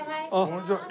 こんにちは。